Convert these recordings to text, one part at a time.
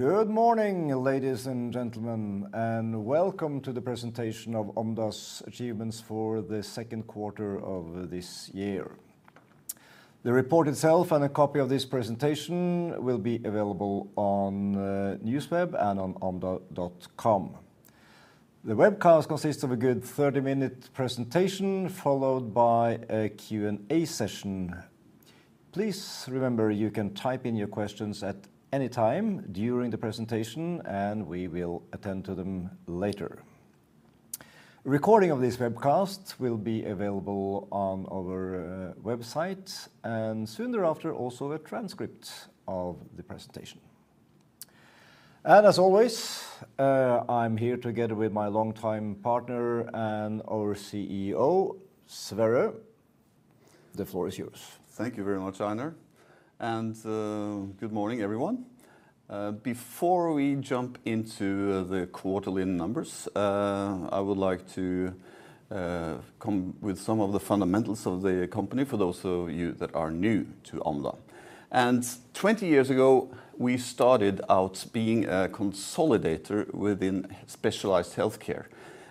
Good morning, ladies and gentlemen, and welcome to the presentation of Omda's achievements for the second quarter of this year. The report itself and a copy of this presentation will be available on Newsweb and on omda.com. The webcast consists of a good thirty-minute presentation, followed by a Q&A session. Please remember, you can type in your questions at any time during the presentation, and we will attend to them later. A recording of this webcast will be available on our website, and soon thereafter, also a transcript of the presentation. And as always, I'm here together with my longtime partner and our CEO, Sverre. The floor is yours. Thank you very much, Einar, and good morning, everyone. Before we jump into the quarterly numbers, I would like to come with some of the fundamentals of the company for those of you that are new to Omda. Twenty years ago, we started out being a consolidator within specialized healthcare,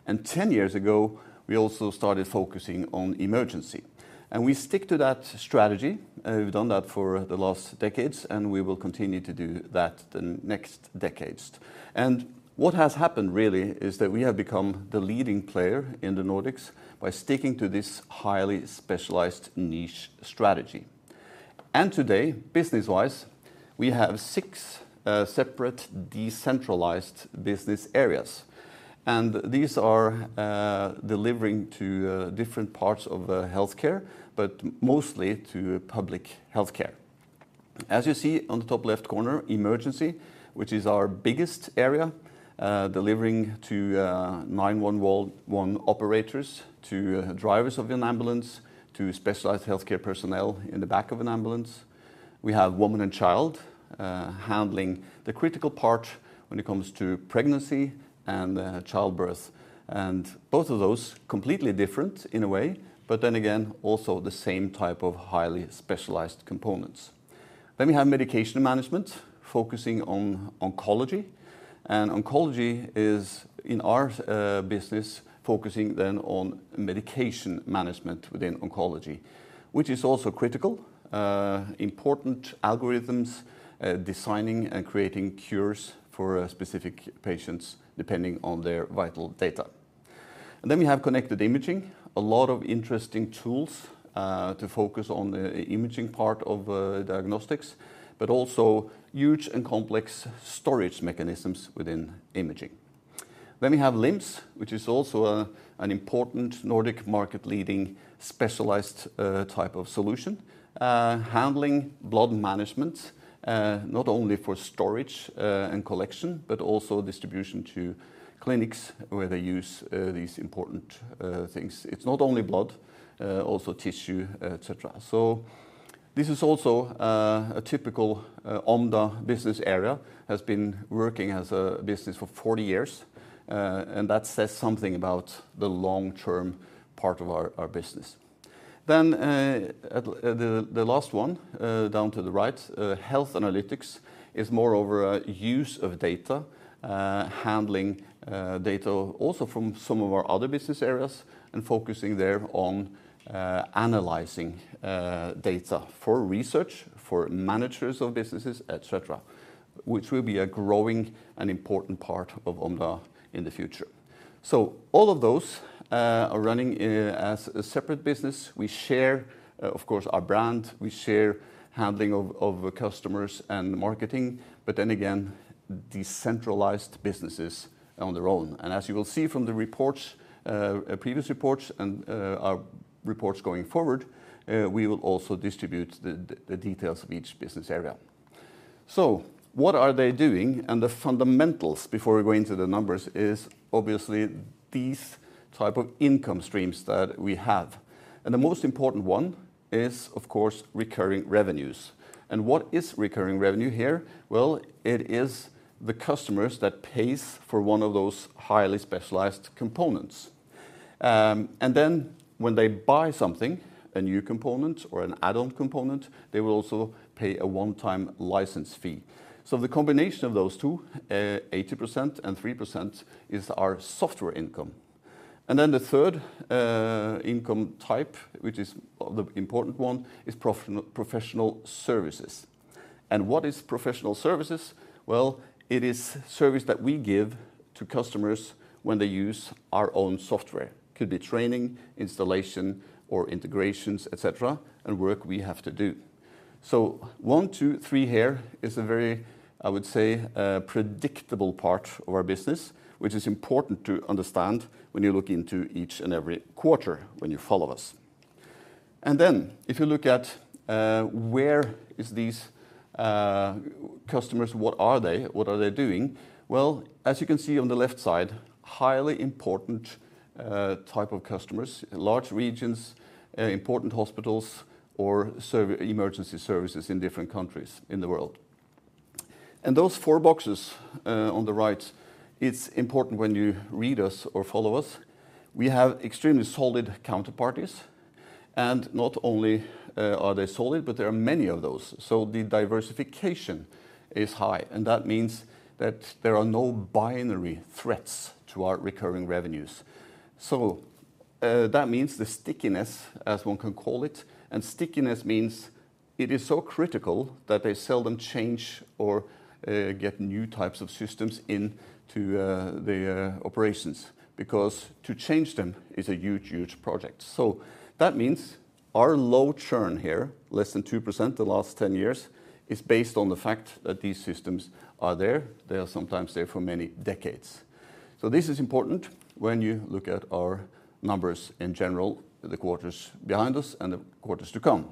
and ten years ago, we also started focusing on emergency. We stick to that strategy. We've done that for the last decades, and we will continue to do that the next decades. What has happened really is that we have become the leading player in the Nordics by sticking to this highly specialized niche strategy. Today, business-wise, we have six separate, decentralized business areas, and these are delivering to different parts of healthcare, but mostly to public healthcare. As you see on the top-left corner, Emergency, which is our biggest area, delivering to 911 operators, to drivers of an ambulance, to specialized healthcare personnel in the back of an ambulance. We have Women & Child, handling the critical part when it comes to pregnancy and childbirth, and both of those completely different in a way, but then again, also the same type of highly specialized components. Then we have Medication Management, focusing on oncology. Oncology is, in our business, focusing then on medication management within oncology, which is also critical, important algorithms, designing and creating cures for specific patients, depending on their vital data. Then we have Connected Imaging, a lot of interesting tools, to focus on the imaging part of diagnostics, but also huge and complex storage mechanisms within imaging. Then we have LIMS, which is also an important Nordic market-leading, specialized type of solution handling blood management, not only for storage and collection, but also distribution to clinics, where they use these important things. It's not only blood, also tissue, et cetera. So this is also a typical Omda business area, has been working as a business for forty years and that says something about the long-term part of our business. Then at the last one down to the right, Health Analytics is moreover a use of data handling data also from some of our other business areas and focusing there on analyzing data for research, for managers of businesses, et cetera, which will be a growing and important part of Omda in the future. All of those are running as a separate business. We share, of course, our brand, we share handling of customers and marketing, but then again, decentralized businesses on their own. As you will see from the reports, previous reports and our reports going forward, we will also distribute the details of each business area. What are they doing? The fundamentals, before we go into the numbers, is obviously these type of income streams that we have. The most important one is, of course, recurring revenues. What is recurring revenue here? It is the customers that pays for one of those highly specialized components. When they buy something, a new component or an add-on component, they will also pay a one-time license fee. The combination of those two, 80% and 3%, is our software income. And then the third, income type, which is the important one, is professional services. And what is professional services? It is service that we give to customers when they use our own software. Could be training, installation, or integrations, et cetera, and work we have to do. One, two, three here is a very, I would say, a predictable part of our business, which is important to understand when you look into each and every quarter when you follow us. And then, if you look at, where is these, customers, what are they? What are they doing? As you can see on the left side, highly important type of customers, large regions, important hospitals, or emergency services in different countries in the world. And those four boxes on the right, it's important when you read us or follow us. We have extremely solid counterparties, and not only are they solid, but there are many of those. So the diversification is high, and that means that there are no binary threats to our recurring revenues. So that means the stickiness, as one can call it, and stickiness means it is so critical that they seldom change or get new types of systems into the operations, because to change them is a huge, huge project. So that means our low churn here, less than 2% the last 10 years, is based on the fact that these systems are there. They are sometimes there for many decades. So this is important when you look at our numbers in general, the quarters behind us and the quarters to come.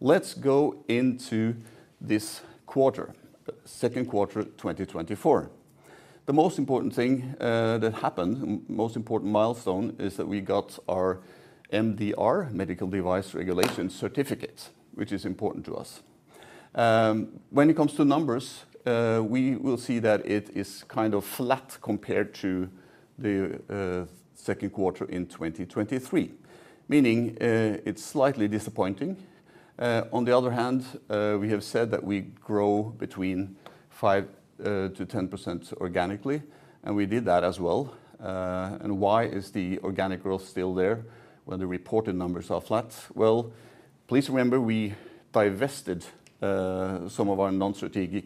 Let's go into this quarter, the second quarter, 2024. The most important thing that happened, most important milestone, is that we got our MDR, Medical Device Regulation certificate, which is important to us. When it comes to numbers, we will see that it is kind of flat compared to the second quarter in 2023, meaning it's slightly disappointing. On the other hand, we have said that we grow between five to 10% organically, and we did that as well. Why is the organic growth still there when the reported numbers are flat? Please remember, we divested some of our non-strategic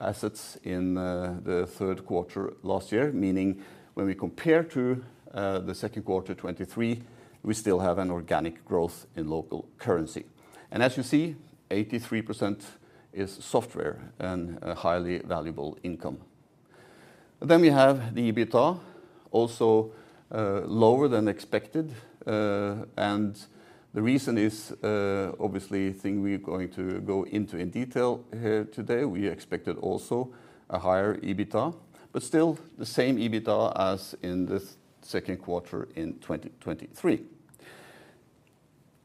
assets in the third quarter last year, meaning when we compare to the second quarter 2023, we still have an organic growth in local currency. As you see, 83% is software and a highly valuable income. Then we have the EBITDA, also, lower than expected, and the reason is, obviously a thing we are going to go into in detail here today. We expected also a higher EBITDA, but still the same EBITDA as in the second quarter in 2023.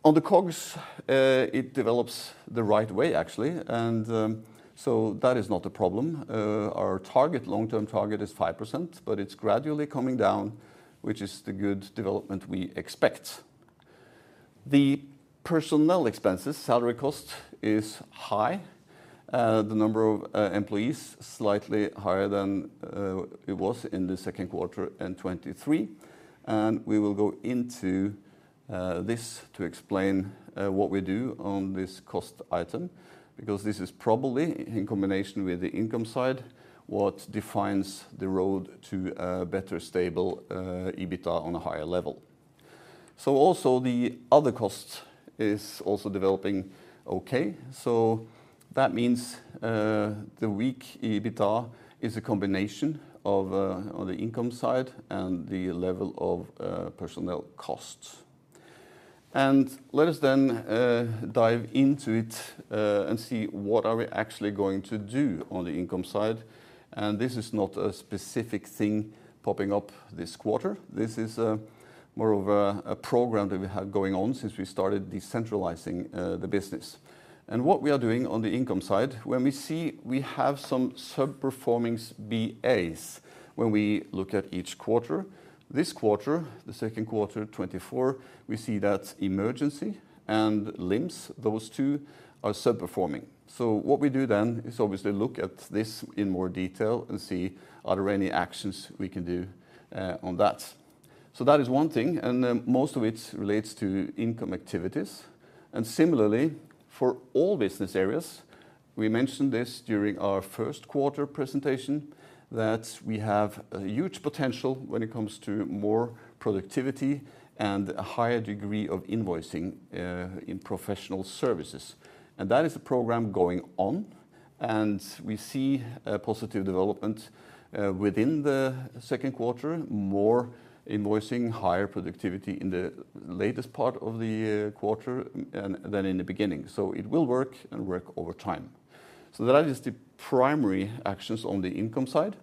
On the COGS, it develops the right way, actually, and, so that is not a problem. Our target, long-term target is 5%, but it's gradually coming down, which is the good development we expect. The personnel expenses, salary cost, is high. The number of employees, slightly higher than it was in the second quarter in 2023, and we will go into this to explain what we do on this cost item, because this is probably, in combination with the income side, what defines the road to a better, stable EBITDA on a higher level. So also the other cost is also developing okay, so that means the weak EBITDA is a combination of on the income side and the level of personnel costs. And let us then dive into it and see what are we actually going to do on the income side, and this is not a specific thing popping up this quarter. This is more of a program that we have going on since we started decentralizing the business. And what we are doing on the income side, when we see we have some sub-performing BAs, when we look at each quarter, this quarter, the second quarter 2024, we see that Emergency and LIMS, those two, are sub-performing. So what we do then is obviously look at this in more detail and see are there any actions we can do on that. So that is one thing, and most of it relates to income activities. And similarly, for all business areas, we mentioned this during our first quarter presentation, that we have a huge potential when it comes to more productivity and a higher degree of invoicing in professional services. And that is a program going on, and we see a positive development within the second quarter, more invoicing, higher productivity in the latest part of the quarter than in the beginning, so it will work and work over time. So that is the primary actions on the income side.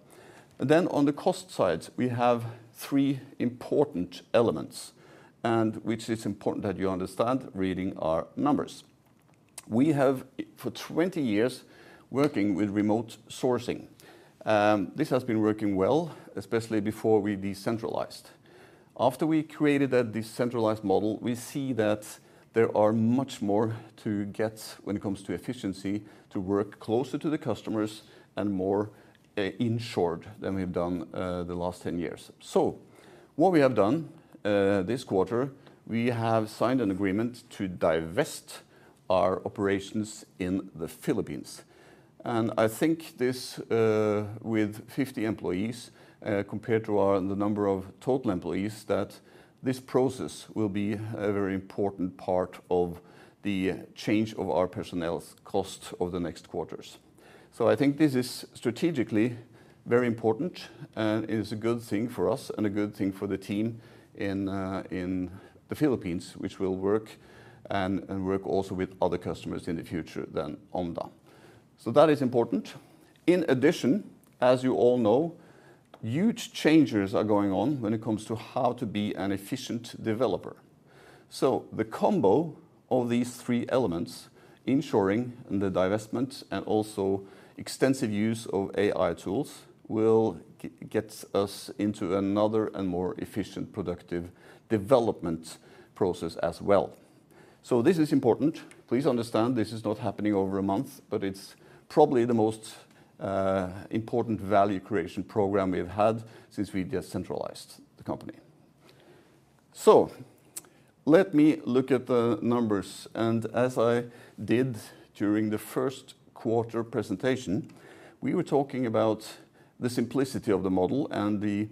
Then on the cost side, we have three important elements, and which is important that you understand reading our numbers. We have for 20 years, working with remote sourcing. This has been working well, especially before we decentralized. After we created a decentralized model, we see that there are much more to get when it comes to efficiency, to work closer to the customers and more in short than we've done the last 10 years. So what we have done this quarter, we have signed an agreement to divest our operations in the Philippines. And I think this, with 50 employees, compared to our the number of total employees, that this process will be a very important part of the change of our personnel's cost over the next quarters. So I think this is strategically very important, and it is a good thing for us and a good thing for the team in the Philippines, which will work and work also with other customers in the future than Omda. So that is important. In addition, as you all know, huge changes are going on when it comes to how to be an efficient developer.... So the combo of these three elements, onshoring the divestment and also extensive use of AI tools, will get us into another and more efficient, productive development process as well. So this is important. Please understand this is not happening over a month, but it's probably the most important value creation program we've had since we decentralized the company. So let me look at the numbers, and as I did during the first quarter presentation, we were talking about the simplicity of the model and the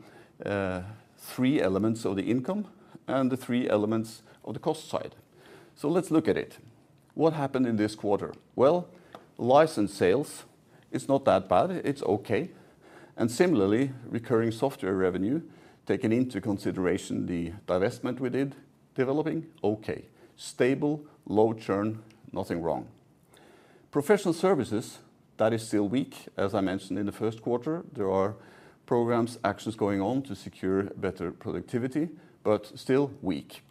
three elements of the income and the three elements of the cost side. So let's look at it. What happened in this quarter? Well, license sales is not that bad, it's okay, and similarly, recurring software revenue, taking into consideration the divestment we did, developing, okay. Stable, low churn, nothing wrong. Professional services, that is still weak, as I mentioned in the first quarter. There are programs, actions going on to secure better productivity, but still weak.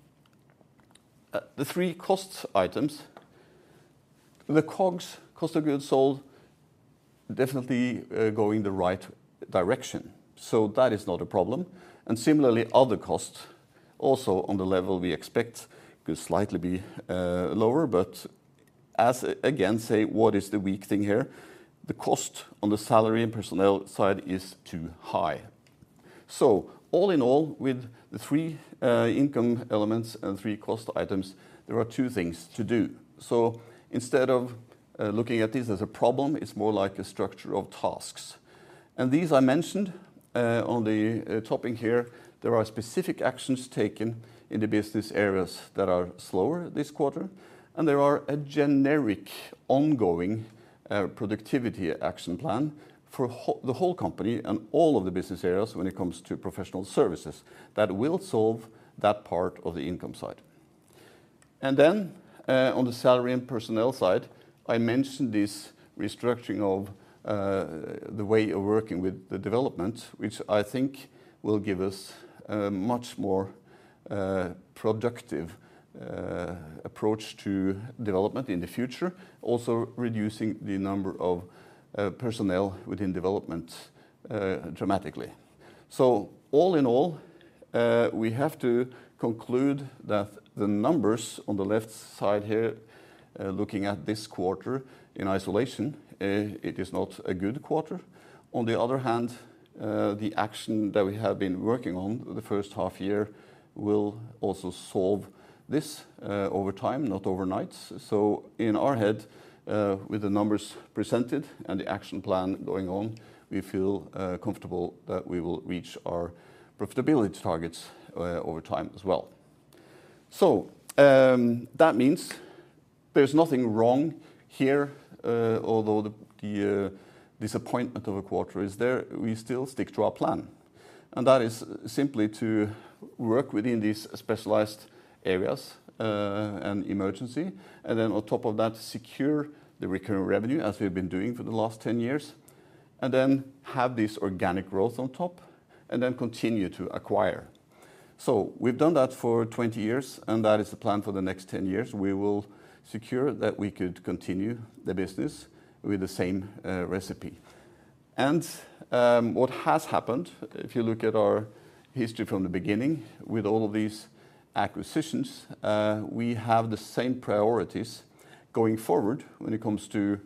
The three cost items, the COGS, cost of goods sold, definitely going the right direction, so that is not a problem. And similarly, other costs, also on the level we expect, could slightly be lower. But as again, say, what is the weak thing here? The cost on the salary and personnel side is too high. So all in all, with the three income elements and three cost items, there are two things to do. So instead of looking at this as a problem, it's more like a structure of tasks, and these I mentioned on the top here. There are specific actions taken in the business areas that are slower this quarter, and there are a generic ongoing productivity action plan for the whole company and all of the business areas when it comes to professional services, that will solve that part of the income side. And then on the salary and personnel side, I mentioned this restructuring of the way of working with the development, which I think will give us a much more productive approach to development in the future, also reducing the number of personnel within development dramatically. So all in all, we have to conclude that the numbers on the left side here, looking at this quarter in isolation, it is not a good quarter. On the other hand, the action that we have been working on the first half year will also solve this, over time, not overnight, so in our head, with the numbers presented and the action plan going on, we feel comfortable that we will reach our profitability targets, over time as well, so that means there's nothing wrong here, although the disappointment of a quarter is there, we still stick to our plan, and that is simply to work within these specialized areas, and Emergency. And then on top of that, secure the recurring revenue, as we've been doing for the last ten years, and then have this organic growth on top, and then continue to acquire. So we've done that for twenty years, and that is the plan for the next ten years. We will secure that we could continue the business with the same recipe. And what has happened, if you look at our history from the beginning, with all of these acquisitions, we have the same priorities going forward when it comes to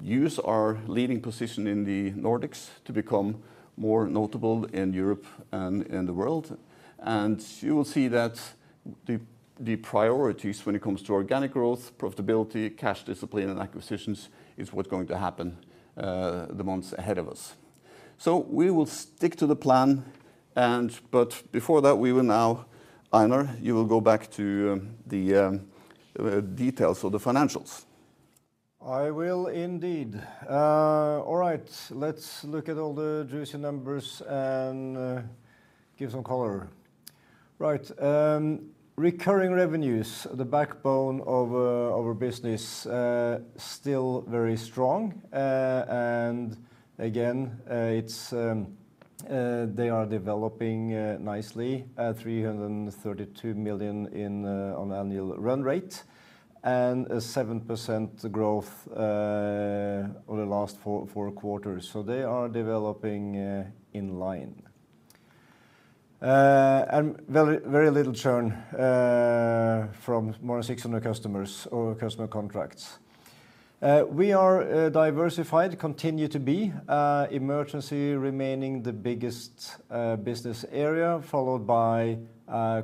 use our leading position in the Nordics to become more notable in Europe and in the world. And you will see that the priorities when it comes to organic growth, profitability, cash discipline, and acquisitions is what's going to happen the months ahead of us. So we will stick to the plan, but before that, we will now... Einar, you will go back to the details of the financials. I will indeed. All right, let's look at all the juicy numbers and give some color. Right, recurring revenues, the backbone of our business, still very strong. And again, it's they are developing nicely, 332 million in on annual run rate, and a 7% growth over the last four quarters. So they are developing in line. And very, very little churn from more than 600 customers or customer contracts. We are diversified, continue to be. Emergency remaining the biggest business area, followed by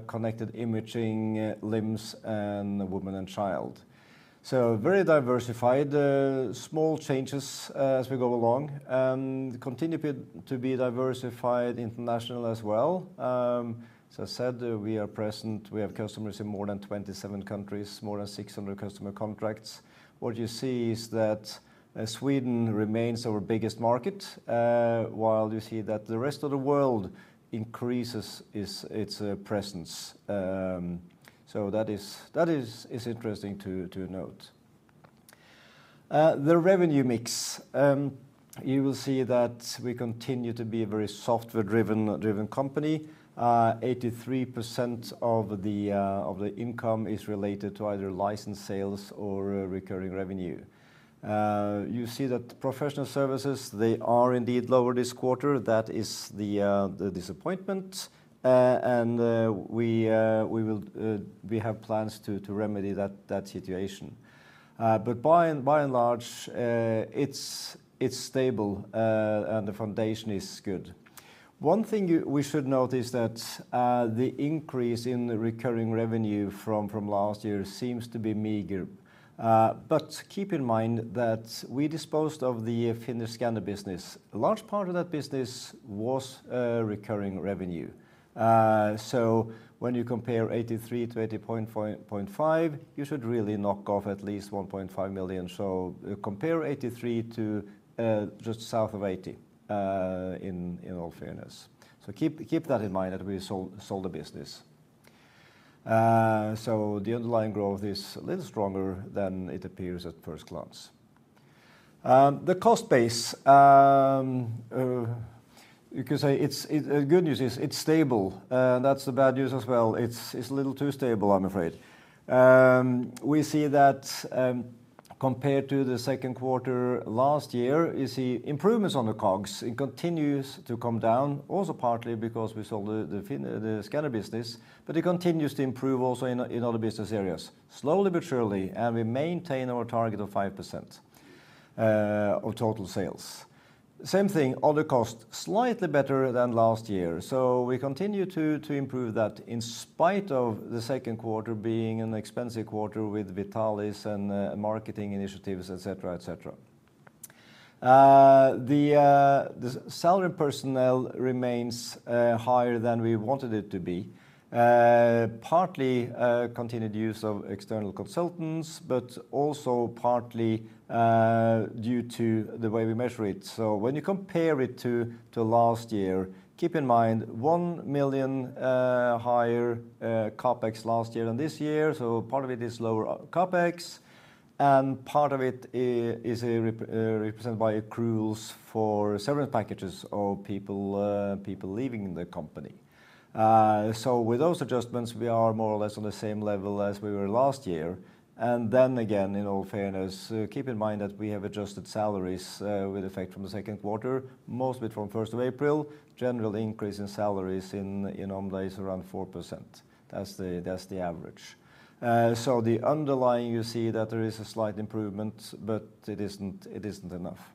Connected Imaging, LIMS, and Women & Child. So very diversified, small changes as we go along, and continue to be diversified international as well. As I said, we are present. We have customers in more than 27 countries, more than 600 customer contracts. What you see is that Sweden remains our biggest market, while you see that the rest of the world increases its presence. So that is interesting to note. The revenue mix, you will see that we continue to be a very software-driven company. 83% of the income is related to either license sales or recurring revenue. You see that professional services, they are indeed lower this quarter. That is the disappointment, and we have plans to remedy that situation. But by and large, it's stable, and the foundation is good. One thing we should note is that the increase in the recurring revenue from last year seems to be meager. But keep in mind that we disposed of the Finnish scanner business. A large part of that business was recurring revenue. So when you compare 83 to 80.5, you should really knock off at least 1.5 million. So compare 83 to just south of 80 in all fairness. So keep that in mind that we sold the business. So the underlying growth is a little stronger than it appears at first glance. The cost base you could say it's. The good news is it's stable, that's the bad news as well. It's a little too stable, I'm afraid. We see that, compared to the second quarter last year, you see improvements on the COGS. It continues to come down, also partly because we sold the scanner business, but it continues to improve also in other business areas, slowly but surely, and we maintain our target of 5% of total sales. Same thing, other costs, slightly better than last year, so we continue to improve that in spite of the second quarter being an expensive quarter with Vitalis and marketing initiatives, et cetera, et cetera. The salary personnel remains higher than we wanted it to be, partly continued use of external consultants, but also partly due to the way we measure it. So when you compare it to last year, keep in mind 1 million higher CapEx last year than this year, so part of it is lower CapEx, and part of it is represented by accruals for severance packages of people leaving the company. So with those adjustments, we are more or less on the same level as we were last year. Then again, in all fairness, keep in mind that we have adjusted salaries with effect from the second quarter, mostly from first of April. General increase in salaries in Omda is around 4%. That's the average. So the underlying, you see that there is a slight improvement, but it isn't enough.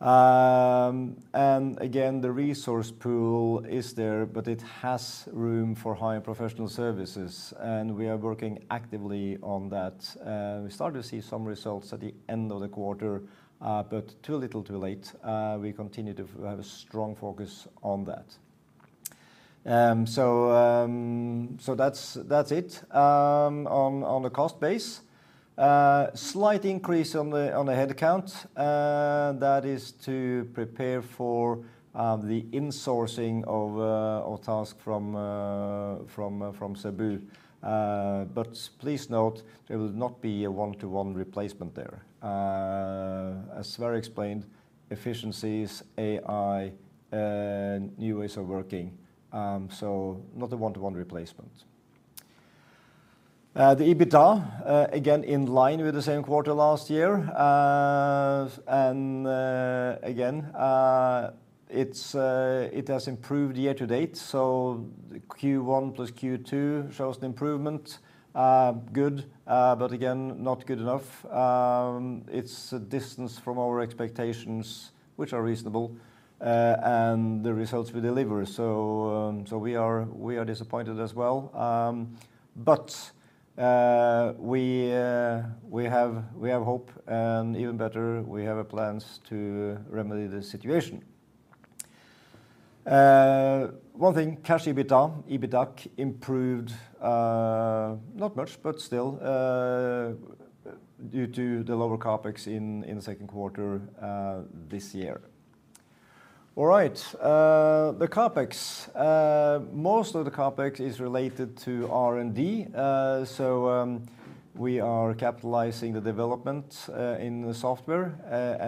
And again, the resource pool is there, but it has room for higher professional services, and we are working actively on that. We start to see some results at the end of the quarter, but too little, too late. We continue to have a strong focus on that. So that's it on the cost base. Slight increase on the head count, that is to prepare for the insourcing of tasks from Cebu. But please note there will not be a one-to-one replacement there. As Sverre explained, efficiencies, AI, new ways of working, so not a one-to-one replacement. The EBITDA, again, in line with the same quarter last year. And again, it has improved year to date, so Q1 plus Q2 shows the improvement. Good, but again, not good enough. It's a distance from our expectations, which are reasonable, and the results we deliver. We are disappointed as well. But we have hope, and even better, we have plans to remedy the situation. One thing, Cash EBITDA, EBITDA-C improved, not much, but still, due to the lower CapEx in the second quarter this year. All right. The CapEx. Most of the CapEx is related to R&D, so we are capitalizing the development in the software.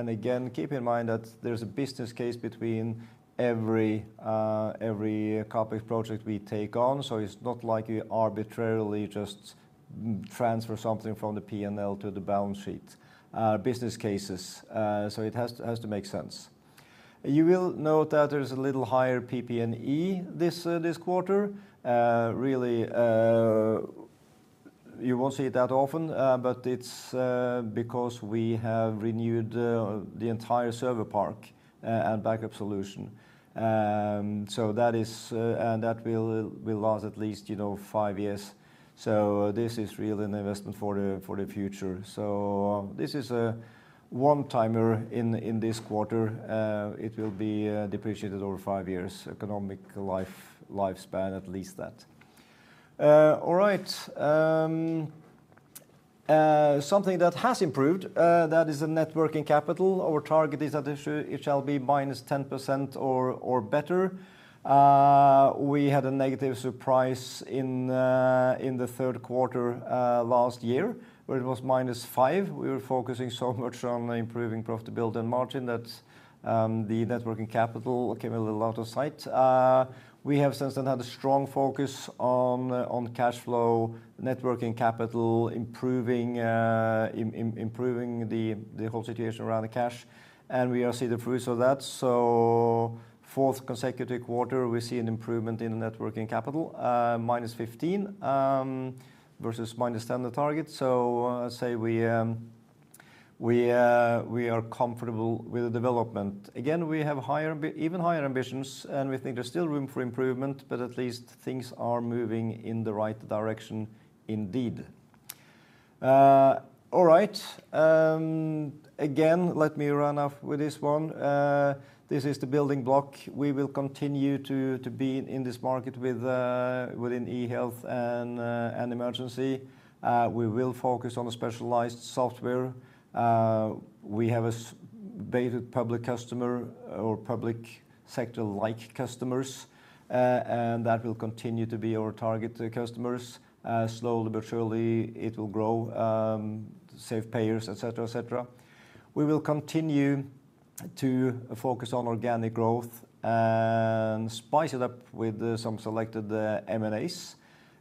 Again, keep in mind that there's a business case for every CapEx project we take on, so it's not like we arbitrarily just transfer something from the P&L to the balance sheet. Business cases, so it has to make sense. You will note that there is a little higher PP&E this quarter. Really, you won't see it that often, but it's because we have renewed the entire server park and backup solution. So that is, and that will last at least, you know, five years. So this is really an investment for the future. So this is a one-timer in this quarter. It will be depreciated over five years, economic life, lifespan, at least that. All right. Something that has improved, that is the net working capital. Our target is that it shall be minus 10% or better. We had a negative surprise in the third quarter last year, where it was minus five. We were focusing so much on improving profitability and margin that the net working capital came a little out of sight. We have since then had a strong focus on cash flow, net working capital, improving the whole situation around the cash, and we are see the fruits of that. So fourth consecutive quarter, we see an improvement in the net working capital, minus 15 versus minus 10, the target. So, I say we are comfortable with the development. Again, we have higher even higher ambitions, and we think there's still room for improvement, but at least things are moving in the right direction indeed. All right. Again, let me round off with this one. This is the building block. We will continue to be in this market within e-health and emergency. We will focus on the specialized software. We have a strongly weighted public customer or public sector-like customers, and that will continue to be our target customers. Slowly but surely, it will grow, safe payers, et cetera, et cetera. We will continue to focus on organic growth and spice it up with some selected M&As,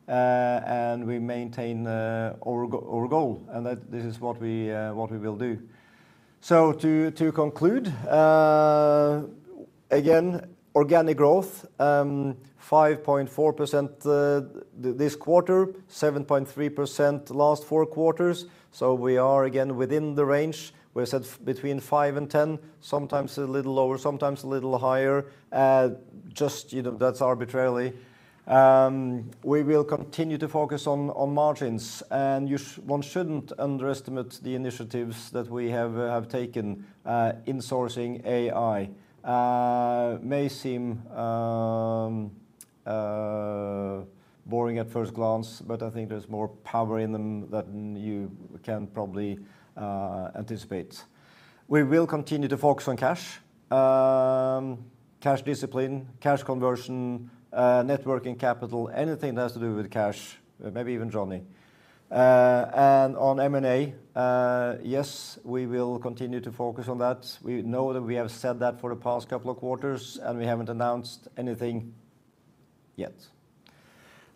and we maintain our goal, and that this is what we will do. So to conclude, again, organic growth, 5.4%, this quarter, 7.3% last four quarters, so we are again within the range. We said between five and 10, sometimes a little lower, sometimes a little higher, just, you know, that's arbitrarily. We will continue to focus on margins, and one shouldn't underestimate the initiatives that we have taken, insourcing AI. May seem boring at first glance, but I think there's more power in them than you can probably anticipate. We will continue to focus on cash, cash discipline, cash conversion, net working capital, anything that has to do with cash, maybe even Johnny. And on M&A, yes, we will continue to focus on that. We know that we have said that for the past couple of quarters, and we haven't announced anything yet.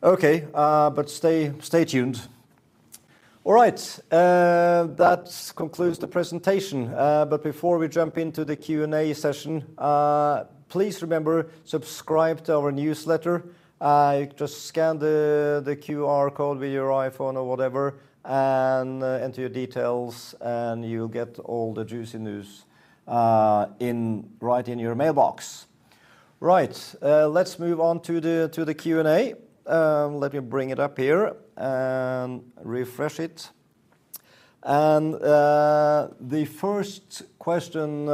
Okay, but stay tuned. All right, that concludes the presentation, but before we jump into the Q&A session, please remember, subscribe to our newsletter. Just scan the QR code with your iPhone or whatever, and enter your details, and you'll get all the juicy news, right in your mailbox. Right, let's move on to the Q&A. Let me bring it up here and refresh it, and the first question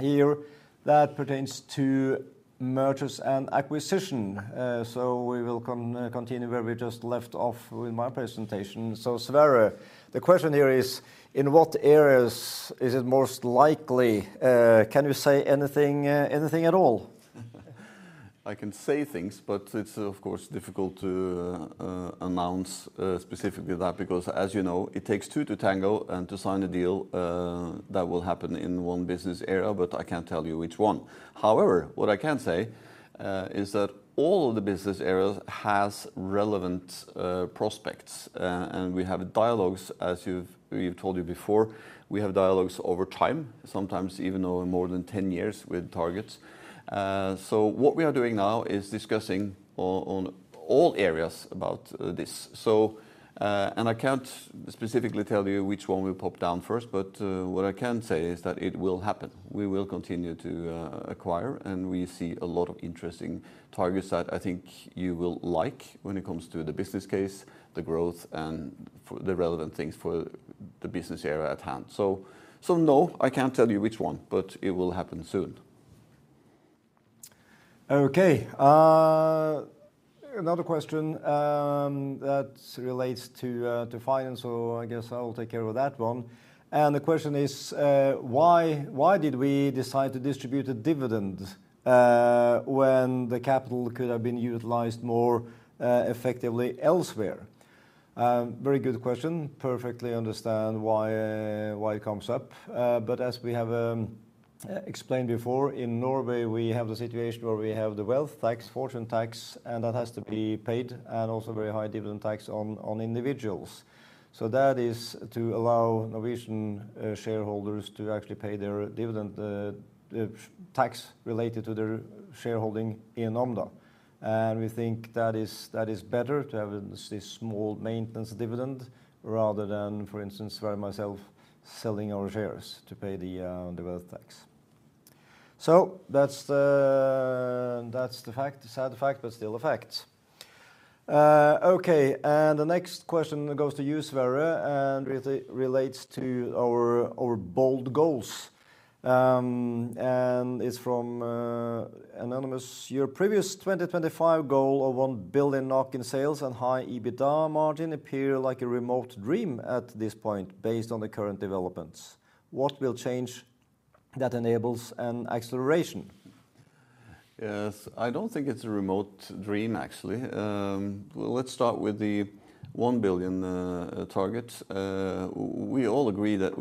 here that pertains to mergers and acquisition, so we will continue where we just left off with my presentation. So, Sverre, the question here is: In what areas is it most likely? Can you say anything, anything at all? I can say things, but it's, of course, difficult to announce specifically that because, as you know, it takes two to tango and to sign a deal that will happen in one business area, but I can't tell you which one. However, what I can say is that all of the business areas has relevant prospects, and we have dialogues, as we've told you before. We have dialogues over time, sometimes even over more than 10 years with targets. So what we are doing now is discussing on all areas about this. So, and I can't specifically tell you which one will pop down first, but what I can say is that it will happen. We will continue to acquire, and we see a lot of interesting targets that I think you will like when it comes to the business case, the growth, and for the relevant things for the business area at hand, so no, I can't tell you which one, but it will happen soon. Okay, another question that relates to finance, so I guess I will take care of that one, and the question is: Why did we decide to distribute a dividend when the capital could have been utilized more effectively elsewhere? Very good question, perfectly understand why it comes up, but as we have explained before, in Norway, we have a situation where we have the wealth tax, fortune tax, and that has to be paid, and also very high dividend tax on individuals. So that is to allow Norwegian shareholders to actually pay their dividend tax related to their shareholding in Omda. And we think that is better to have this small maintenance dividend, rather than, for instance, where myself selling our shares to pay the wealth tax. That's the fact, the sad fact, but still a fact. Okay, and the next question goes to you, Sverre, and relates to our bold goals. And it's from anonymous: "Your previous 2025 goal of one billion NOK in sales and high EBITDA margin appear like a remote dream at this point, based on the current developments. What will change that enables an acceleration? Yes, I don't think it's a remote dream, actually. Let's start with the one billion target. We all agree that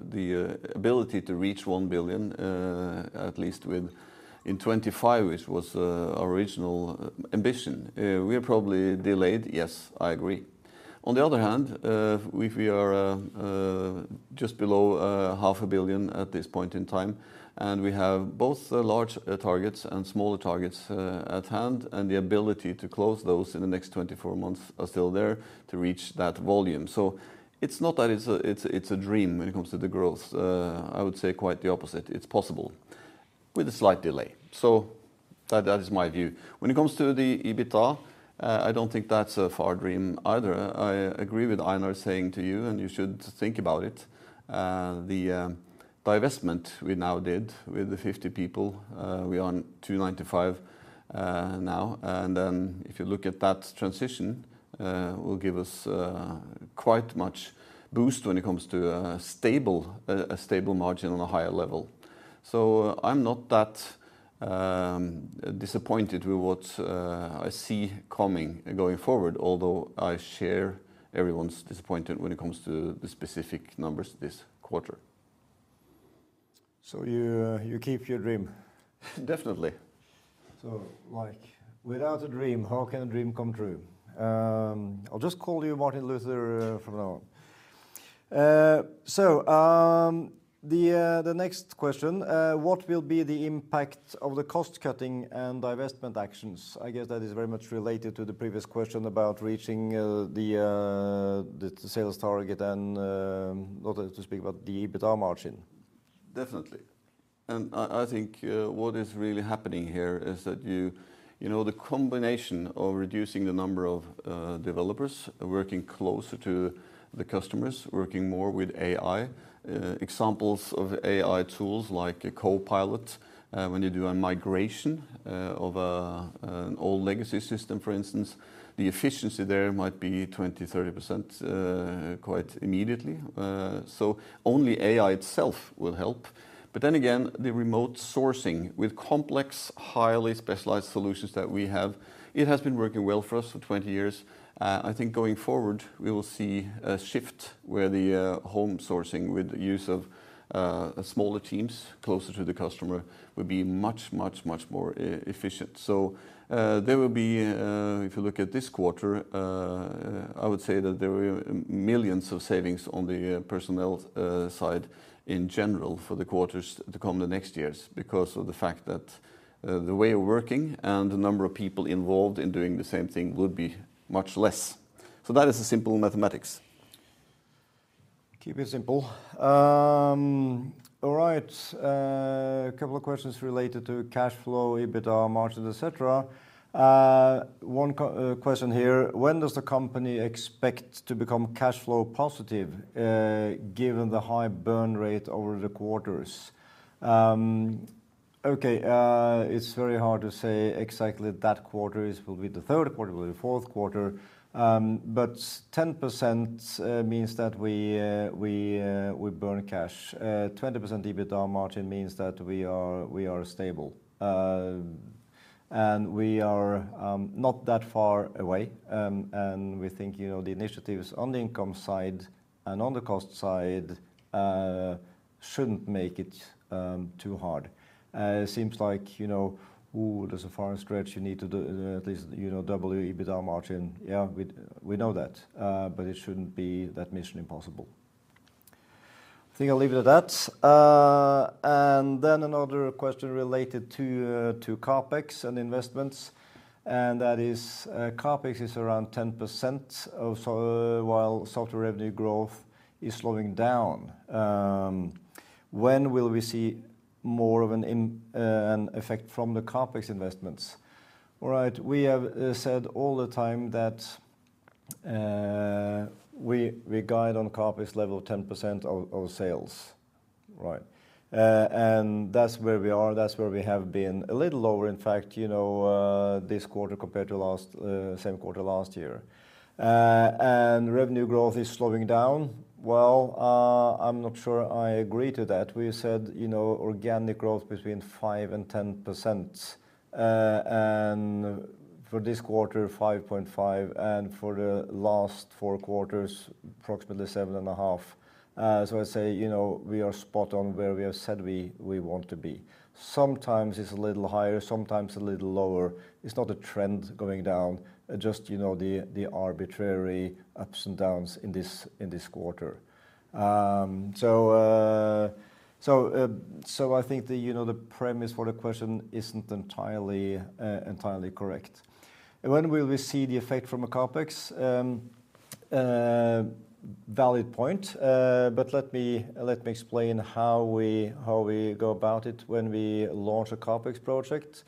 the ability to reach 1 billion at least within 2025, which was our original ambition, we are probably delayed. Yes, I agree. On the other hand, we are just below 500 million at this point in time, and we have both large targets and smaller targets at hand, and the ability to close those in the next 24 months are still there to reach that volume. So it's not that it's a dream when it comes to the growth. I would say quite the opposite. It's possible, with a slight delay. So that is my view. When it comes to the EBITDA, I don't think that's a far dream either. I agree with Einar saying to you, and you should think about it, the divestment we now did with the 50 people, we are on 295, now. And then if you look at that transition, will give us quite much boost when it comes to stable, a stable margin on a higher level. So I'm not that disappointed with what I see coming going forward, although I share everyone's disappointment when it comes to the specific numbers this quarter. So you, you keep your dream? Definitely. So, like, without a dream, how can a dream come true? I'll just call you Martin Luther from now on. The next question: "What will be the impact of the cost-cutting and divestment actions?" I guess that is very much related to the previous question about reaching the sales target and not to speak about the EBITDA margin. Definitely. I think what is really happening here is that you know the combination of reducing the number of developers working closer to the customers, working more with AI, examples of AI tools like Copilot, when you do a migration of an old legacy system, for instance, the efficiency there might be 20%-30% quite immediately, so only AI itself will help. But then again, the remote sourcing with complex, highly specialized solutions that we have. It has been working well for us for 20 years. I think going forward, we will see a shift where the home sourcing with the use of smaller teams closer to the customer will be much, much, much more efficient. So, there will be, if you look at this quarter, I would say that there were millions of savings on the personnel side in general for the quarters to come the next years, because of the fact that the way of working and the number of people involved in doing the same thing would be much less. So that is a simple mathematics. Keep it simple. All right, couple of questions related to cash flow, EBITDA margin, et cetera. One question here: "When does the company expect to become cash flow positive, given the high burn rate over the quarters?" Okay, it's very hard to say exactly that quarter. It will be the third quarter, will be the fourth quarter. But 10% means that we burn cash. 20% EBITDA margin means that we are stable. And we are not that far away, and we think, you know, the initiatives on the income side and on the cost side shouldn't make it too hard. It seems like, you know, there's a far stretch you need to do, at least, you know, double EBITDA margin. Yeah, we, we know that, but it shouldn't be that mission impossible. I think I'll leave it at that. And then another question related to, to CapEx and investments, and that is, "CapEx is around 10% or so while software revenue growth is slowing down. When will we see more of an effect from the CapEx investments?" All right, we have said all the time that, we, we guide on CapEx level of 10% of sales, right? And that's where we are, that's where we have been. A little lower, in fact, you know, this quarter compared to last, same quarter last year. And revenue growth is slowing down? Well, I'm not sure I agree to that. We said, you know, organic growth between 5 and 10%, and for this quarter, 5.5, and for the last four quarters, approximately seven and a half. So I say, you know, we are spot on where we have said we want to be. Sometimes it's a little higher, sometimes a little lower. It's not a trend going down, just, you know, the arbitrary ups and downs in this quarter. So I think the, you know, the premise for the question isn't entirely correct. When will we see the effect from a CapEx? Valid point. But let me explain how we go about it when we launch a CapEx project.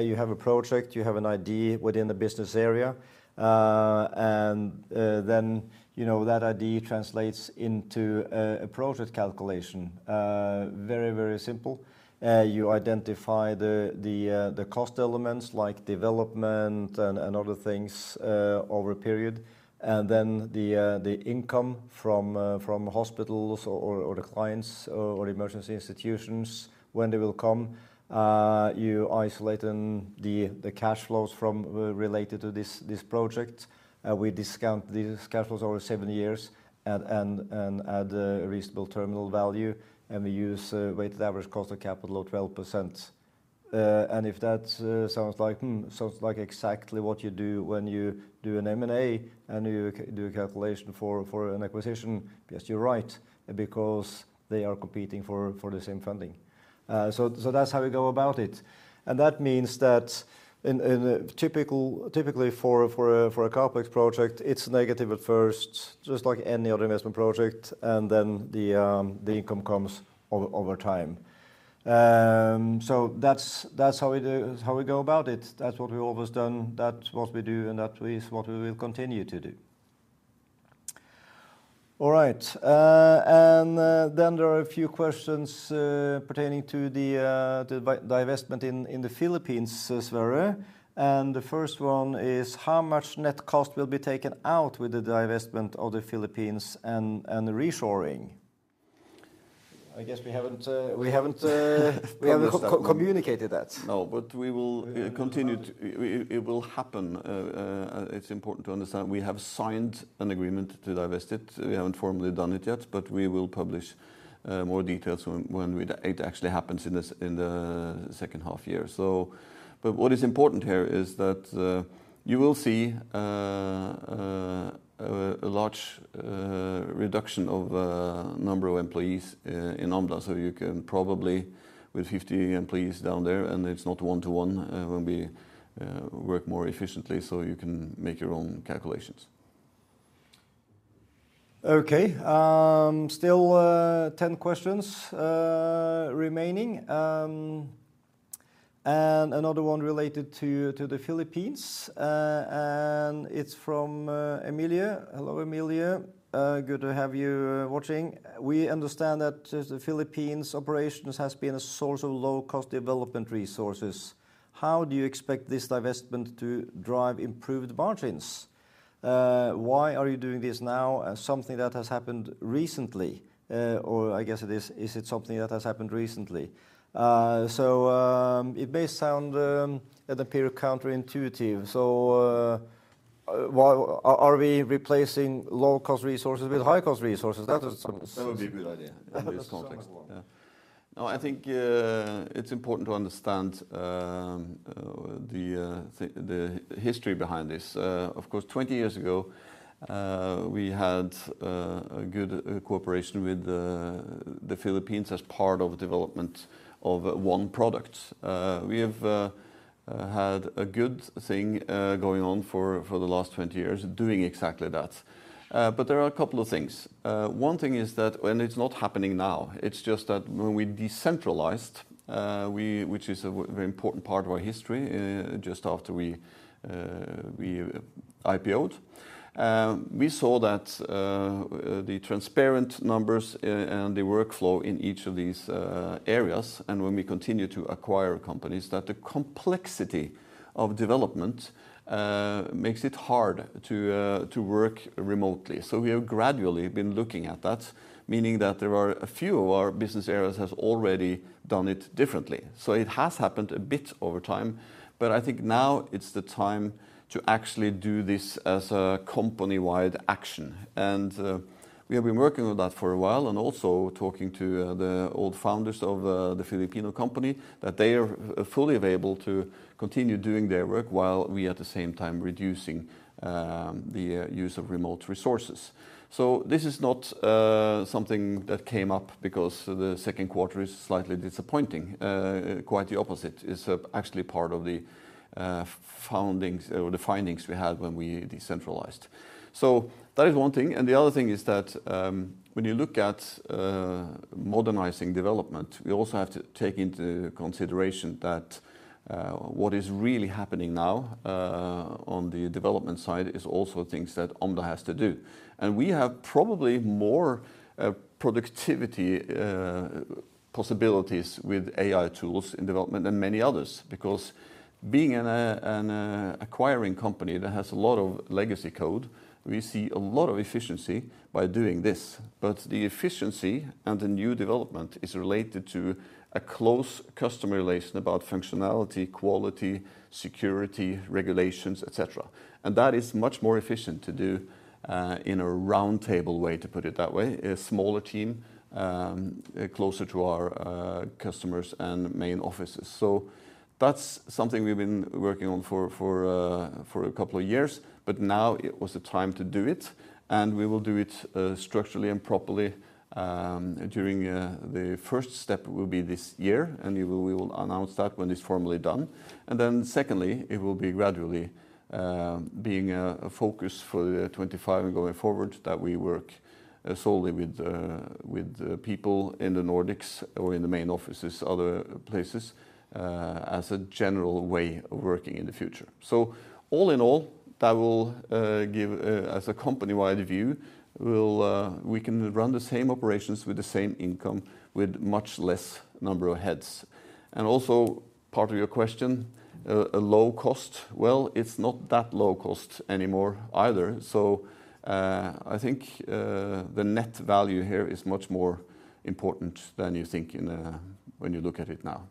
You have a project, you have an idea within the business area, and then, you know, that idea translates into a project calculation. Very, very simple. You identify the cost elements, like development and other things, over a period, and then the income from hospitals or the clients or emergency institutions, when they will come. You isolate then the cash flows from related to this project, we discount these cash flows over seven years and add a reasonable terminal value, and we use a weighted average cost of capital of 12%. And if that sounds like exactly what you do when you do an M&A, and you do a calculation for an acquisition, yes, you're right, because they are competing for the same funding. So that's how we go about it, and that means that in a typical for a CapEx project, it's negative at first, just like any other investment project, and then the income comes over time. So that's how we do, how we go about it. That's what we've always done, that's what we do, and that is what we will continue to do. All right. And then there are a few questions pertaining to the divestment in the Philippines, Sverre, and the first one is: How much net cost will be taken out with the divestment of the Philippines and the reshoring? I guess we haven't. We haven't communicated that. No, but we will continue to. It will happen. It's important to understand, we have signed an agreement to divest it. We haven't formally done it yet, but we will publish more details when it actually happens in the second half year. But what is important here is that you will see a large reduction of number of employees in Omda. So you can probably, with 50 employees down there, and it's not one-to-one when we work more efficiently, so you can make your own calculations. Okay, still ten questions remaining. Another one related to the Philippines, and it's from Emilia. Hello, Emilia, good to have you watching. We understand that the Philippines operations has been a source of low-cost development resources. How do you expect this divestment to drive improved margins? Why are you doing this now, as something that has happened recently? Or I guess it is. Is it something that has happened recently? It may sound to appear counterintuitive. Why are we replacing low-cost resources with high-cost resources? That is- That would be a good idea. In these contexts. Yeah. No, I think it's important to understand the history behind this. Of course, twenty years ago, we had a good cooperation with the Philippines as part of development of one product. We have had a good thing going on for the last twenty years, doing exactly that. But there are a couple of things. One thing is that and it's not happening now, it's just that when we decentralized, which is a very important part of our history, just after we IPO'd, we saw that the transparent numbers and the workflow in each of these areas, and when we continue to acquire companies, that the complexity of development makes it hard to work remotely. So we have gradually been looking at that, meaning that there are a few of our business areas has already done it differently. So it has happened a bit over time, but I think now it's the time to actually do this as a company-wide action. And we have been working on that for a while, and also talking to the old founders of the Filipino company, that they are fully available to continue doing their work, while we at the same time reducing the use of remote resources. So this is not something that came up because the second quarter is slightly disappointing. Quite the opposite. It's actually part of the findings or the findings we had when we decentralized. So that is one thing, and the other thing is that, when you look at modernizing development, we also have to take into consideration that, what is really happening now on the development side, is also things that Omda has to do. And we have probably more productivity possibilities with AI tools in development than many others. Because being an acquiring company that has a lot of legacy code, we see a lot of efficiency by doing this. But the efficiency and the new development is related to a close customer relation about functionality, quality, security, regulations, et cetera. And that is much more efficient to do in a roundtable way, to put it that way, a smaller team closer to our customers and main offices. That's something we've been working on for a couple of years, but now it was the time to do it, and we will do it structurally and properly. During the first step will be this year, and we will announce that when it's formally done. And then secondly, it will be gradually being a focus for the 2025 and going forward, that we work solely with the people in the Nordics or in the main offices, other places, as a general way of working in the future. So all in all, that will give, as a company-wide view, we'll. We can run the same operations with the same income, with much less number of heads. And also, part of your question, a low cost? It's not that low cost anymore either. I think the net value here is much more important than you think it is when you look at it now. ...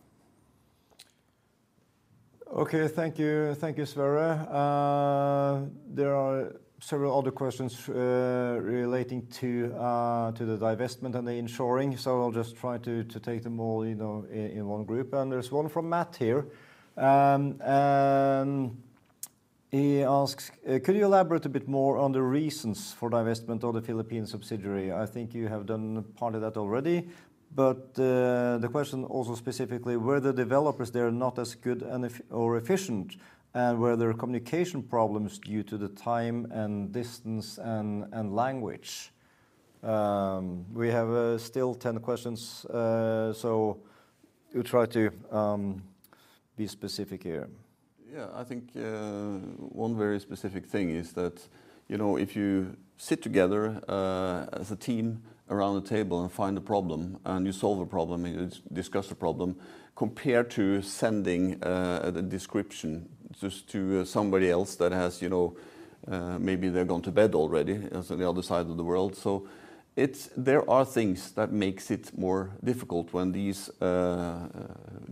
Okay, thank you. Thank you, Sverre. There are several other questions relating to the divestment and the inshoring, so I'll just try to take them all, you know, in one group, and there's one from Matthew. And he asks, "Could you elaborate a bit more on the reasons for divestment of the Philippine subsidiary?" I think you have done part of that already, but the question also specifically, were the developers there not as good and or efficient, and were there communication problems due to the time, and distance, and language? We have still 10 questions, so you try to be specific here. Yeah, I think one very specific thing is that, you know, if you sit together as a team around the table and find a problem, and you solve a problem, and you discuss the problem, compared to sending the description just to somebody else that has, you know... Maybe they've gone to bed already as on the other side of the world. So there are things that makes it more difficult when these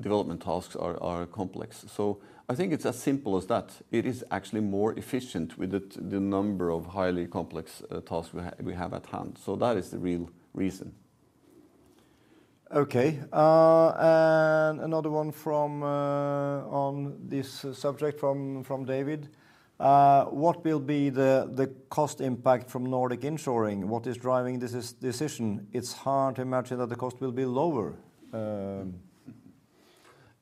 development tasks are complex. So I think it's as simple as that. It is actually more efficient with the number of highly complex tasks we have at hand. So that is the real reason. Okay, and another one from, on this subject from David: "What will be the cost impact from Nordic inshoring? What is driving this decision? It's hard to imagine that the cost will be lower. Yeah,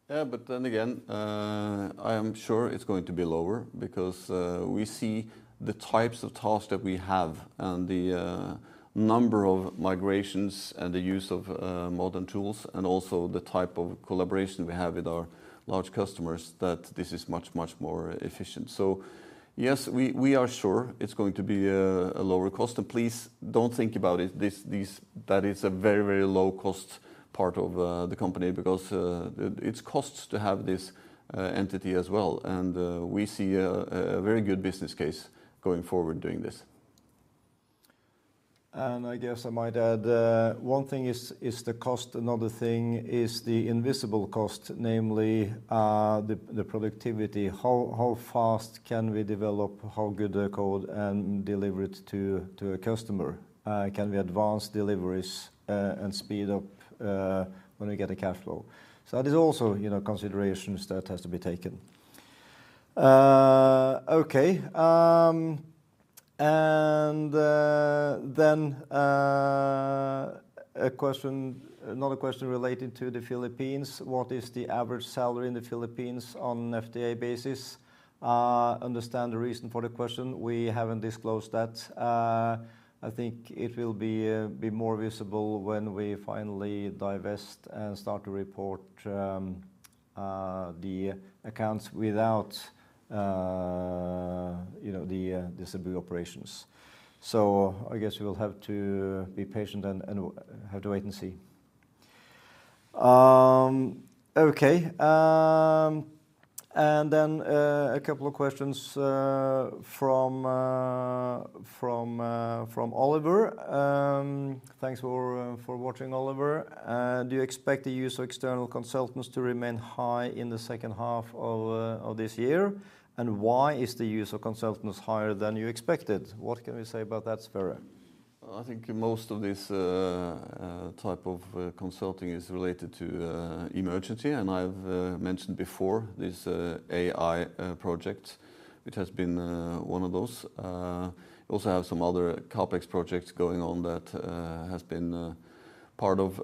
but then again, I am sure it's going to be lower because we see the types of tasks that we have, and the number of migrations, and the use of modern tools, and also the type of collaboration we have with our large customers, that this is much, much more efficient. So yes, we are sure it's going to be a lower cost, and please don't think about it, this, that is a very, very low-cost part of the company because it costs to have this entity as well. And we see a very good business case going forward doing this. I guess I might add, one thing is the cost. Another thing is the invisible cost, namely, the productivity. How fast can we develop, how good the code, and deliver it to a customer? Can we advance deliveries and speed up when we get a cash flow? So that is also, you know, considerations that has to be taken. Okay, and then, a question - another question relating to the Philippines: "What is the average salary in the Philippines on FTE basis?" Understand the reason for the question. We haven't disclosed that. I think it will be more visible when we finally divest and start to report the accounts without, you know, the Cebu operations. So I guess you will have to be patient and have to wait and see. Okay, and then a couple of questions from Oliver. Thanks for watching, Oliver. "Do you expect the use of external consultants to remain high in the second half of this year? And why is the use of consultants higher than you expected?" What can we say about that, Sverre? I think most of this type of consulting is related to Emergency, and I've mentioned before this AI project, which has been one of those. We also have some other CapEx projects going on that has been part of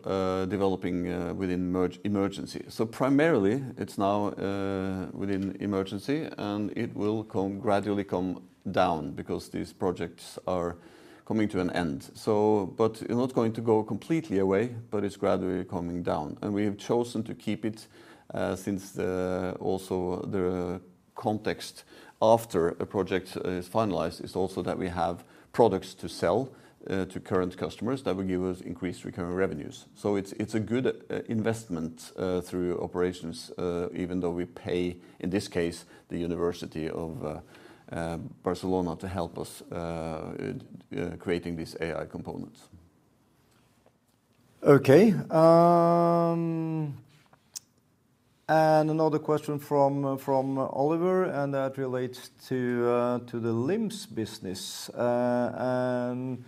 developing within Emergency. So primarily, it's now within Emergency, and it will gradually come down because these projects are coming to an end. So, but it's not going to go completely away, but it's gradually coming down, and we have chosen to keep it since, also, the context after a project is finalized is also that we have products to sell to current customers that will give us increased recurring revenues. So it's a good investment through operations, even though we pay, in this case, the University of Barcelona to help us creating these AI components. Okay, and another question from Oliver, and that relates to the LIMS business, and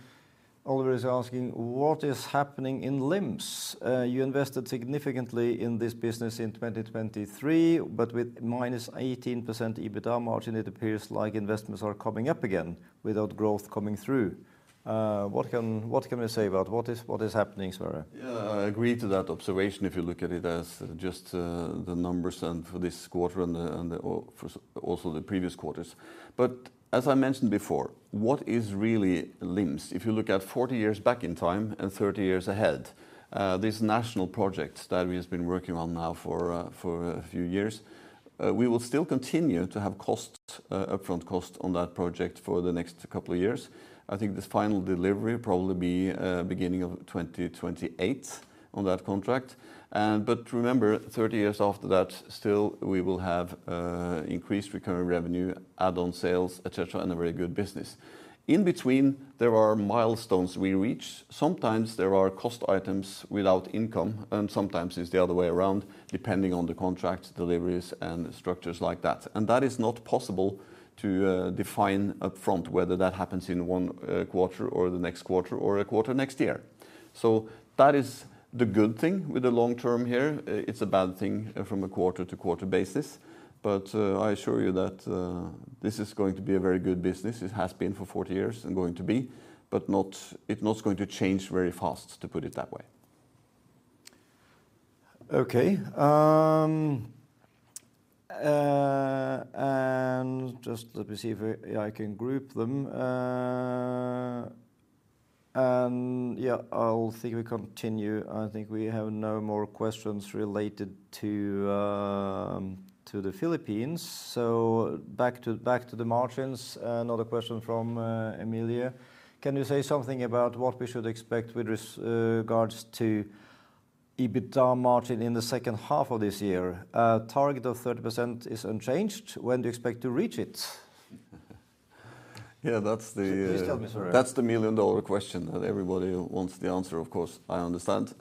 Oliver is asking: "What is happening in LIMS? You invested significantly in this business in 2023, but with minus 18% EBITDA margin, it appears like investments are coming up again without growth coming through." What can we say about what is happening, Sverre? Yeah, I agree to that observation, if you look at it as just the numbers and for this quarter and also for the previous quarters. But as I mentioned before, what is really LIMS? If you look at forty years back in time and thirty years ahead, this national project that we have been working on now for a few years, we will still continue to have costs, upfront costs on that project for the next couple of years. I think this final delivery will probably be beginning of 2028 on that contract. But remember, thirty years after that, still we will have increased recurring revenue, add-on sales, et cetera, and a very good business. In between, there are milestones we reach. Sometimes there are cost items without income, and sometimes it's the other way around, depending on the contract deliveries and structures like that. And that is not possible to define upfront, whether that happens in one quarter, or the next quarter, or a quarter next year. So that is the good thing with the long term here. It's a bad thing from a quarter-to-quarter basis, but I assure you that this is going to be a very good business. It has been for forty years and going to be, but not... it's not going to change very fast, to put it that way.... Okay, and just let me see if I can group them. And, yeah, I'll think we continue. I think we have no more questions related to the Philippines. So back to the margins. Another question from Amelia: "Can you say something about what we should expect with regards to EBITDA margin in the second half of this year? Target of 30% is unchanged. When do you expect to reach it? Yeah, that's the- Please tell me, Sverre. That's the million-dollar question that everybody wants the answer, of course, I understand.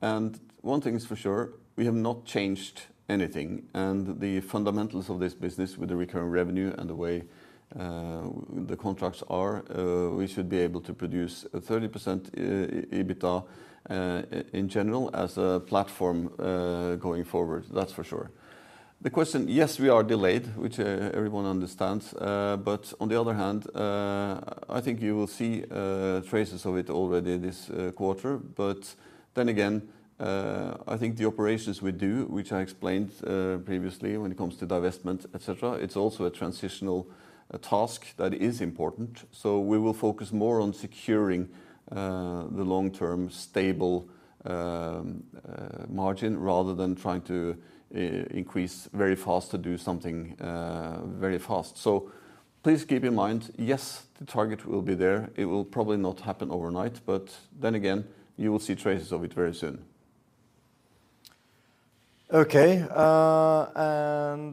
And one thing is for sure, we have not changed anything, and the fundamentals of this business with the recurring revenue and the way the contracts are, we should be able to produce a 30% EBITDA in general as a platform going forward, that's for sure. The question. Yes, we are delayed, which everyone understands. But on the other hand, I think you will see traces of it already this quarter. But then again, I think the operations we do, which I explained previously when it comes to divestment, et cetera, it's also a transitional task that is important. So we will focus more on securing the long-term stable margin, rather than trying to increase very fast to do something very fast. So please keep in mind, yes, the target will be there. It will probably not happen overnight, but then again, you will see traces of it very soon. Okay, and,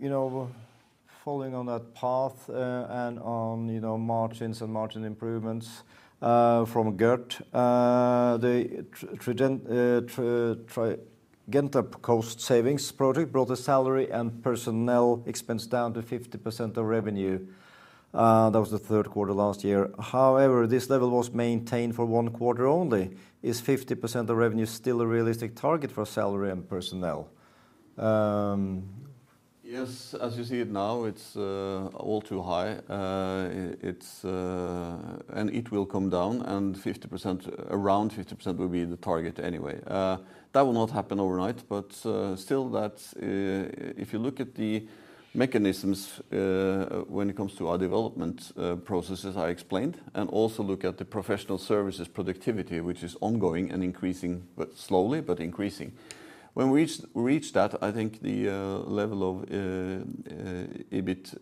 you know, following on that path, and on, you know, margins and margin improvements, from Gert, the Project Rakenta cost savings project brought the salary and personnel expense down to 50% of revenue. That was the third quarter last year. However, this level was maintained for one quarter only. Is 50% of revenue still a realistic target for salary and personnel? Yes, as you see it now, it's all too high, and it will come down, and 50%, around 50% will be the target anyway. That will not happen overnight, but still that's... If you look at the mechanisms when it comes to our development processes, I explained, and also look at the professional services productivity, which is ongoing and increasing, but slowly, but increasing. When we reach that, I think the level of EBIT,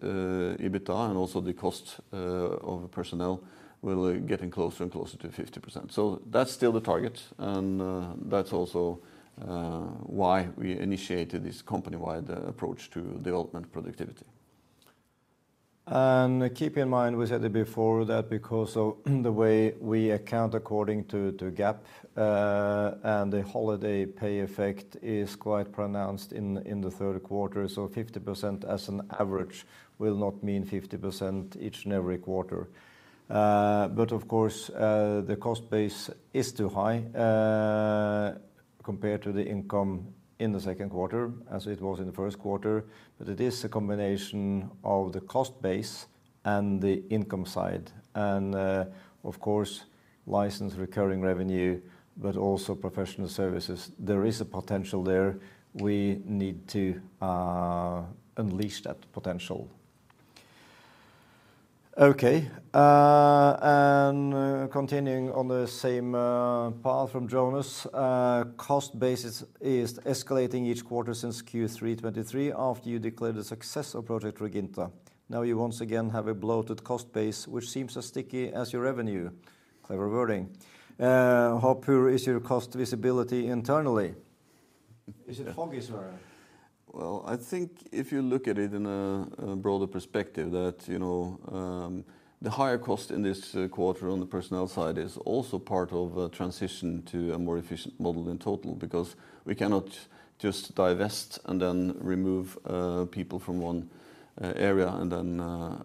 EBITDA, and also the cost of personnel will be getting closer and closer to 50%, so that's still the target, and that's also why we initiated this company-wide approach to development productivity. Keep in mind, we said it before, that because of the way we account according to GAAP, and the holiday pay effect is quite pronounced in the third quarter, so 50% as an average will not mean 50% each and every quarter. But of course, the cost base is too high compared to the income in the second quarter, as it was in the first quarter. But it is a combination of the cost base and the income side, and, of course, license recurring revenue, but also professional services. There is a potential there. We need to unleash that potential. Okay, and continuing on the same path from Jonas: "Cost base is escalating each quarter since Q3 2023, after you declared the success of Project Rakenta. Now you once again have a bloated cost base, which seems as sticky as your revenue." Clever wording. "How poor is your cost visibility internally?" Is it foggy, Søren? I think if you look at it in a broader perspective, that you know the higher cost in this quarter on the personnel side is also part of a transition to a more efficient model in total, because we cannot just divest and then remove people from one area, and then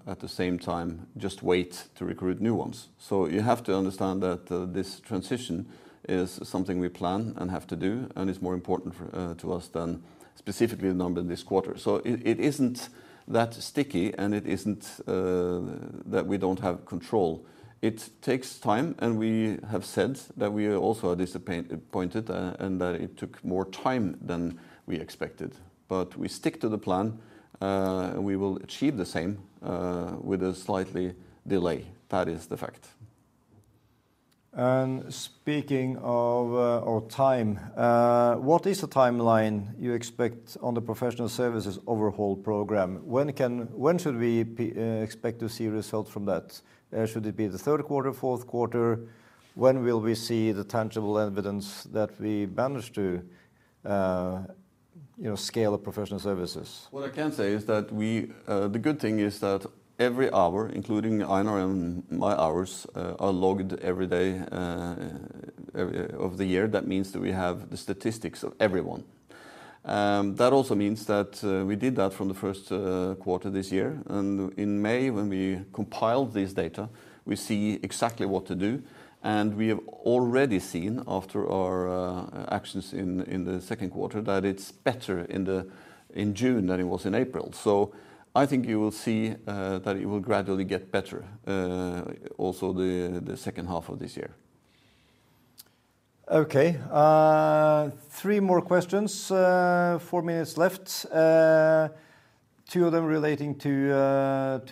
at the same time, just wait to recruit new ones. So you have to understand that this transition is something we plan and have to do, and it's more important for to us than specifically the number in this quarter. So it isn't that sticky, and it isn't that we don't have control. It takes time, and we have said that we are also disappointed and that it took more time than we expected. But we stick to the plan, and we will achieve the same, with a slight delay. That is the fact. And speaking of time, what is the timeline you expect on the professional services overhaul program? When should we expect to see results from that? Should it be the third quarter, fourth quarter? When will we see the tangible evidence that we managed to, you know, scale up professional services? What I can say is that we. The good thing is that every hour, including Einar and my hours, are logged every day of the year. That means that we have the statistics of everyone. That also means that we did that from the first quarter this year, and in May, when we compiled this data, we see exactly what to do. And we have already seen, after our actions in the second quarter, that it's better in June than it was in April. So I think you will see that it will gradually get better, also the second half of this year.... Okay, three more questions, four minutes left. Two of them relating to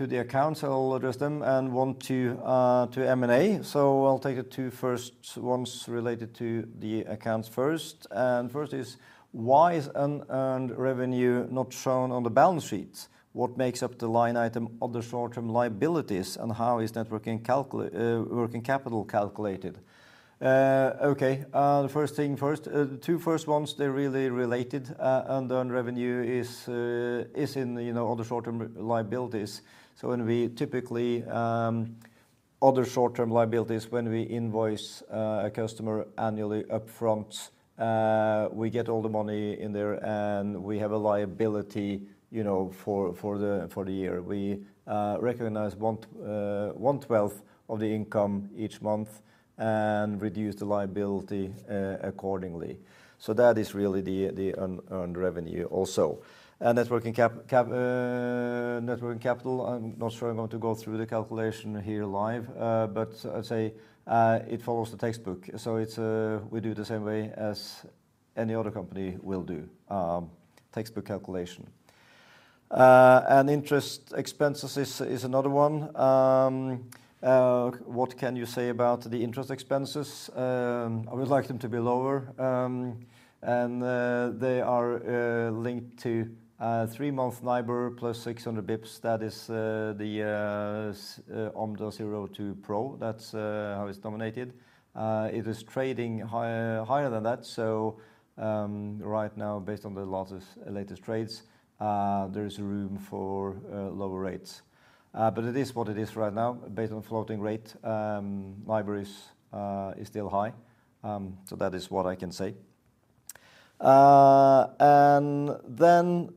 the accounts, I'll address them, and one to M&A. So I'll take the two first ones related to the accounts first, and first is, "Why is unearned revenue not shown on the balance sheet? What makes up the line item on the short-term liabilities, and how is net working capital calculated?" Okay, first thing first, the two first ones, they're really related. Unearned revenue is in, you know, other short-term liabilities. So when we typically... Other short-term liabilities, when we invoice a customer annually upfront, we get all the money in there, and we have a liability, you know, for the year. We recognize one twelfth of the income each month and reduce the liability accordingly. So that is really the unearned revenue also. And net working capital, I'm not sure I'm going to go through the calculation here live, but I'd say it follows the textbook. So it's... We do the same way as any other company will do, textbook calculation. And interest expenses is another one. "What can you say about the interest expenses?" I would like them to be lower, and they are linked to three-month NIBOR plus 600 basis points. That is the OMDA02 PRO. That's how it's denominated. It is trading higher, higher than that, so right now, based on the latest trades, there is room for lower rates. But it is what it is right now, based on floating rate, NIBOR is still high. So that is what I can say. And then,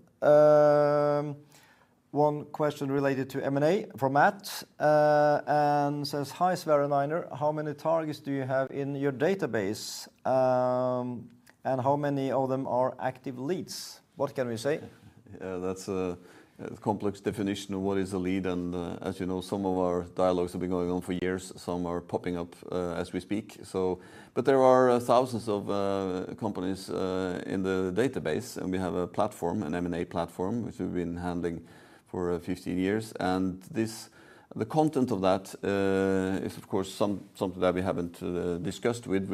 one question related to M&A from Matt, and says, "Hi, Sverre and Einar. How many targets do you have in your database, and how many of them are active leads?" What can we say? Yeah, that's a complex definition of what is a lead, and as you know, some of our dialogues have been going on for years. Some are popping up as we speak, so... But there are thousands of companies in the database, and we have a platform, an M&A platform, which we've been handling for fifteen years. And the content of that is of course something that we haven't discussed with...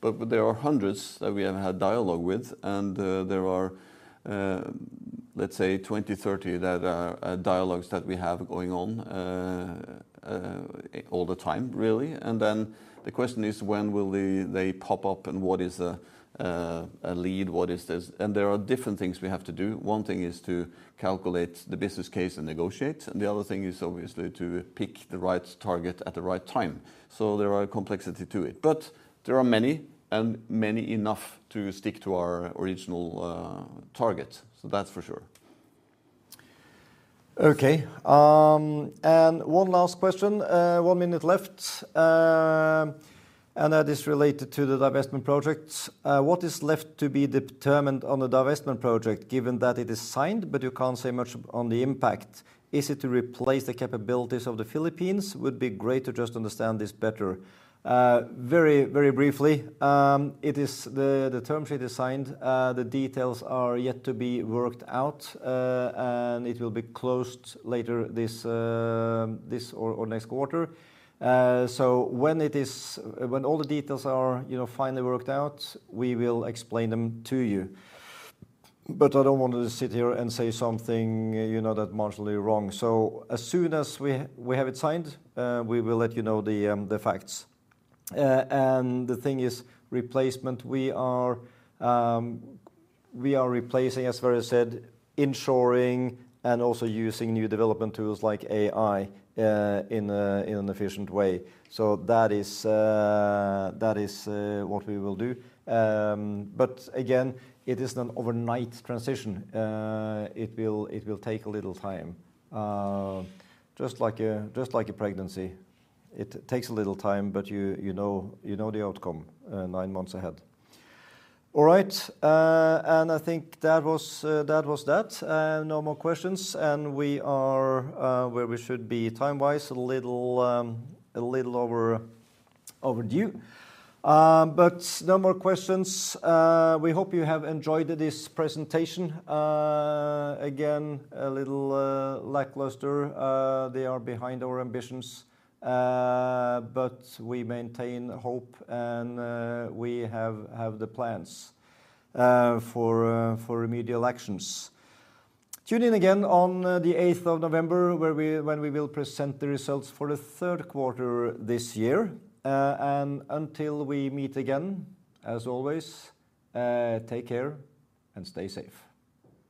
But there are hundreds that we have had dialogue with, and there are let's say twenty, thirty that are dialogues that we have going on all the time, really. And then the question is, when will they pop up, and what is a lead? What is this? And there are different things we have to do. One thing is to calculate the business case and negotiate, and the other thing is obviously to pick the right target at the right time, so there are a complexity to it. But there are many, and many enough to stick to our original target, so that's for sure. Okay, and one last question, one minute left, and that is related to the divestment project. "What is left to be determined on the divestment project, given that it is signed, but you can't say much on the impact? Is it to replace the capabilities of the Philippines? Would be great to just understand this better." Very, very briefly, it is. The term sheet is signed. The details are yet to be worked out, and it will be closed later this or next quarter. So when it is... When all the details are, you know, finally worked out, we will explain them to you. But I don't want to sit here and say something, you know, that might be wrong. So as soon as we have it signed, we will let you know the facts. And the thing is, replacement, we are replacing, as Sverre said, ensuring and also using new development tools like AI in an efficient way. So that is what we will do. But again, it is not overnight transition. It will take a little time. Just like a pregnancy, it takes a little time, but you know the outcome nine months ahead. All right, and I think that was that. No more questions, and we are where we should be time-wise, a little over, overdue. But no more questions. We hope you have enjoyed this presentation. Again, a little lackluster, they are behind our ambitions, but we maintain hope, and we have the plans for remedial actions. Tune in again on the eighth of November, when we will present the results for the third quarter this year, and until we meet again, as always, take care and stay safe.